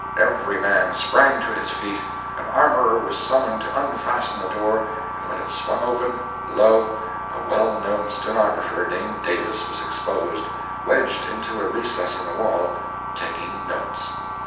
Every man sprang to his feet; an armorer was summoned to unfasten the door; and when it swung open, lo, a well known stenographer, named Davis, was exposed, wedged into a recess in the wall, taking notes!